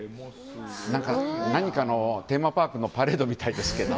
何かのテーマパークのパレードみたいですけど。